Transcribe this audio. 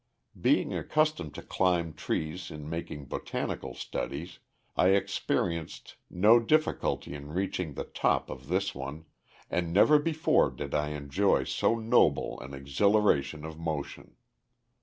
Being accustomed to climb trees in making botanical studies, I experienced no difficulty in reaching the top of this one, and never before did I enjoy so noble an exhilaration of motion.